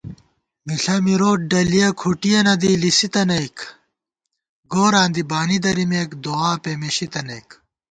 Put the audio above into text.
مِݪہ مِروت ڈلِیَہ کھُٹِیَنہ دی لِسِتَنَئیک * گوراں دی بانی درِمېک دُعاپېمېشی تنَئیک